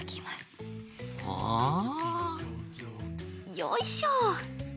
よいしょ。